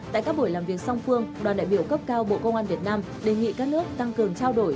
tại các buổi làm việc song phương đoàn đại biểu cấp cao bộ công an việt nam đề nghị các nước tăng cường trao đổi